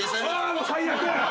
最悪！